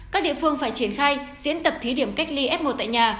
các địa phương phải triển khai diễn tập thí điểm cách ly f một tại nhà